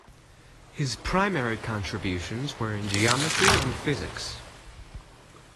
His primary contributions were in geometry and physics.